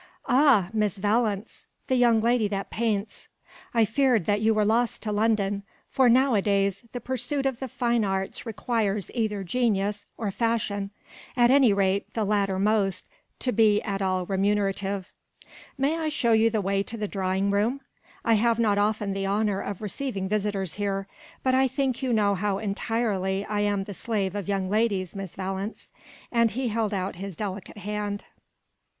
"Ah! Miss Valence! The young lady that paints. I feared that you were lost to London; for now a days the pursuit of the fine arts requires either genius, or fashion, at any rate the latter most, to be at all remunerative. May I show you the way to the drawing room? I have not often the honour of receiving visitors here. But I think you know how entirely I am the slave of young ladies, Miss Valence." And he held out his delicate hand.